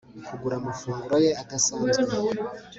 kugura amafunguro ye adasanzwe